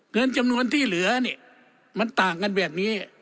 เงินจำนวนที่เหลือเนี่ยมันต่างกันแบบนี้